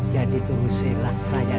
jadi terusilah saya